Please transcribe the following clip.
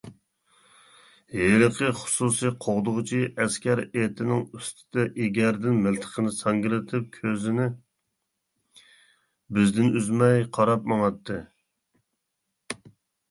ھېلىقى خۇسۇسىي قوغدىغۇچى ئەسكەر ئېتىنىڭ ئۈستىدە ئېگەردىن مىلتىقىنى ساڭگىلىتىپ، كۆزىنى بىزدىن ئۈزمەي قاراپ ماڭاتتى.